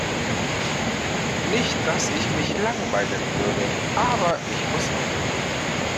Nicht dass ich mich langweilen würde, aber ich muss weiter.